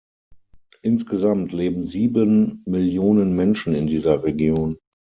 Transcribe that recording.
Insgesamt leben sieben Millionen Menschen in dieser Region.